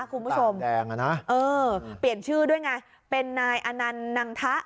คุณผู้ชมแดงอ่ะนะเออเปลี่ยนชื่อด้วยไงเป็นนายอนันต์นังทะ